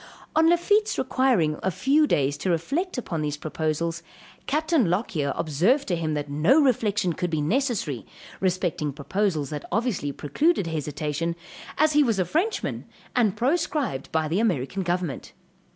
On Lafitte's requiring a few days to reflect upon these proposals, Capt. Lockyer observed to him that no reflection could be necessary, respecting proposals that obviously precluded hesitation, as he was a Frenchman and proscribed by the American government.